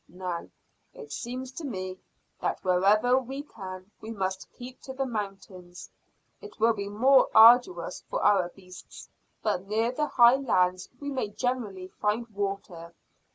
"Now, it seems to me that wherever we can we must keep to the mountains. It will be more arduous for our beasts, but near the high lands we may generally find water.